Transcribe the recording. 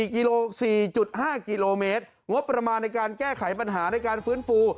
กิโล๔๕กิโลเมตรงบประมาณในการแก้ไขปัญหาในการฟื้นฟู